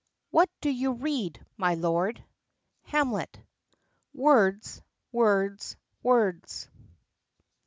Pol. "What do you read, my lord?" Ham. "Words, words, words."